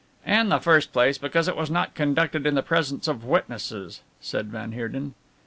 "In the first place because it was not conducted in the presence of witnesses," said van Heerden.